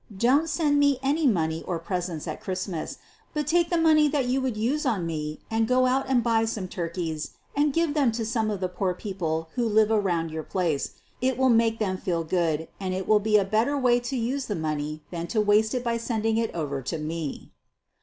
Don't send me any money or presents at Christmas, but take the money that you would use on me, and go out and buy some turkeys and give them to some of the poor people who live around your place. It will make them feel good, and it will be a better way to use the money than to waste it by sending it over to me."